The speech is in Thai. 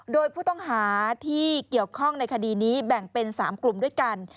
โดยผู้ต้องหาที่เกี่ยวข้องในคดีนี้แบ่งเป็น๓กลุ่มด้วยกัน